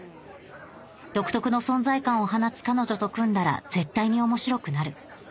「独特の存在感を放つ彼女と組んだら絶対に面白くなる」